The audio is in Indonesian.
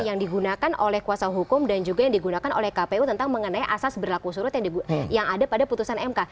yang digunakan oleh kuasa hukum dan juga yang digunakan oleh kpu tentang mengenai asas berlaku surut yang ada pada putusan mk